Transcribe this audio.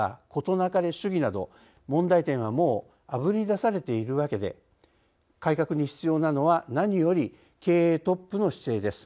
なかれ主義など問題点はもうあぶり出されているわけで改革に必要なのは何より経営トップの姿勢です。